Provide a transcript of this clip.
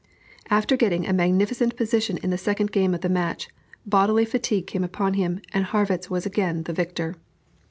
After getting a magnificent position in the second game of the match, bodily fatigue came upon him, and Harrwitz was again victor.